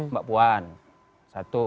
mbak puan satu